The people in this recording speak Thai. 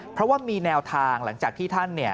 เพราะว่ามีแนวทางหลังจากที่ท่านเนี่ย